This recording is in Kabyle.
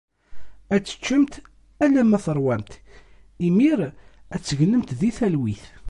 Ad teččemt alamma teṛwamt imir ad tegnemt di talwit.